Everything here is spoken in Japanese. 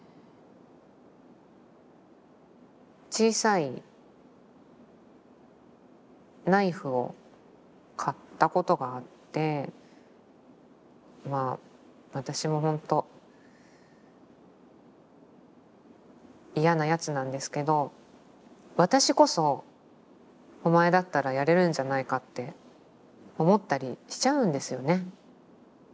小さいナイフを買ったことがあってまあ私もほんと嫌なやつなんですけど私こそ「お前だったらやれるんじゃないか」って思ったりしちゃうんですよね。